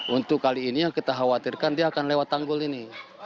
untuk kali ini yang kita khawatirkan dia akan lewat tanggul ini